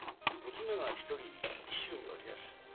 娘が一人紀州におりやす。